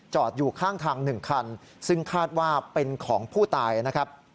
อยู่ข้างทาง๑คันซึ่งคาดว่าเป็นของผู้ตายนะครับ